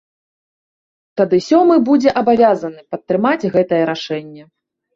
Тады сёмы будзе абавязаны падтрымаць гэтае рашэнне.